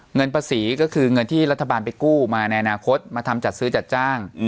เงินภาษีก็คือเงินที่รัฐบาลไปกู้มาในอนาคตมาทำจัดซื้อจัดจ้าง